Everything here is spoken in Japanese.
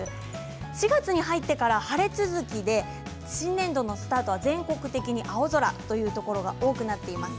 ４月に入ってから晴れ続きで新年度のスタートは全国的に青空というところが多くなっています。